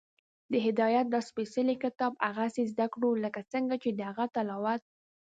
د هدایت دا سپېڅلی کتاب هغسې زده کړو، لکه څنګه چې د هغه تلاوت